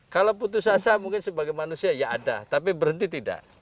kalau putus asa mungkin sebagai manusia ya ada tapi berhenti tidak